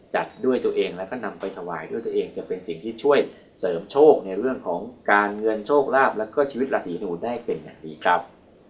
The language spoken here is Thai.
จัดด้วยตัวเองแล้วก็นำไปถวายด้วยตัวเองจะเป็นสิ่งที่ช่วยเสริมโชคในเรื่องของการเงินโชคลาภแล้วก็ชีวิตราศีหนูได้เป็นอย่างดีครับ